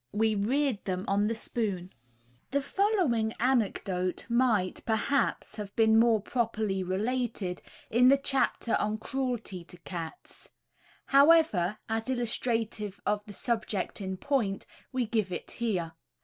We reared them on the spoon. The following anecdote might, perhaps, have been more properly related, in the chapter on cruelty to cats; however, as illustrative of the subject in point, we give it here.